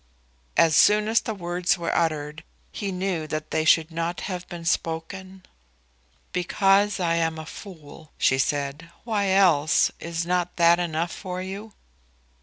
As soon as the words were uttered, he knew that they should not have been spoken. "Because I am a fool," she said. "Why else? Is not that enough for you?"